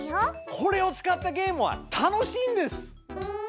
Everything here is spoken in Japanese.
これを使ったゲームは楽しいんです！